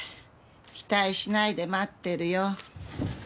期待しないで待ってるよ。